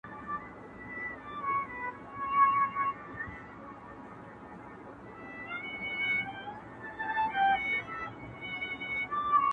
آيا سني مسلمانان تعصب لري که نه؟